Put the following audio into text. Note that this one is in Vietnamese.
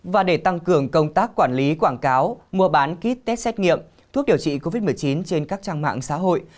và để tăng cường công tác quản lý quảng cáo mua bán ký test xét nghiệm thuốc điều trị covid một mươi chín trên các trang mạng xã hội